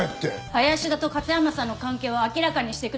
林田と勝山さんの関係を明らかにしてください。